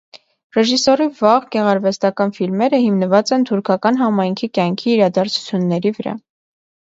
Ռեժիսորի վաղ գեղարվեստական ֆիլմերը հիմնված են թուրքական համայնքի կյանքի իրադարձությունների վրա։